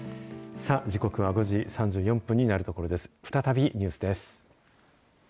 時刻は５時３４分になるところです。